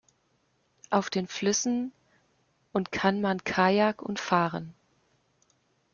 Auf den Flüssen und kann man Kayak und fahren.